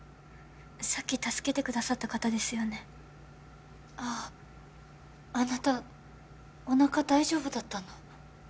さっき助けてくださった方ですよねあああなたおなか大丈夫だったの？